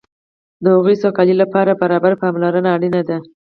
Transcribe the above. د هغوی سوکالۍ لپاره برابره پاملرنه اړینه ده.